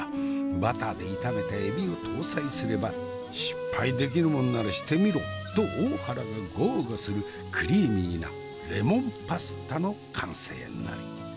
バターで炒めた海老を搭載すれば「失敗できるもんならしてみろ」と大原が豪語するクリーミーなレモンパスタの完成なり！